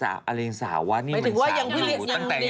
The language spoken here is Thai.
หมายถึงว่ายังดีอยู่